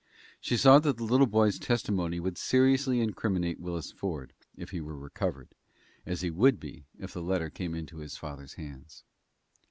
She saw that the little boy's testimony would seriously incriminate Willis Ford, if he were recovered, as he would be if this letter came into his father's hands.